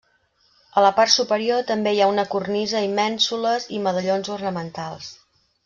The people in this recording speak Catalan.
A la part superior també hi ha una cornisa i mènsules i medallons ornamentals.